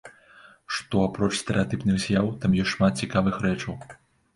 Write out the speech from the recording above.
Што апроч стэрэатыпных з'яў, там ёсць шмат цікавых рэчаў.